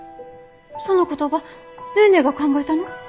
その言葉ネーネーが考えたの？